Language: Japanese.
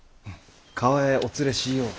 厠へお連れしようと。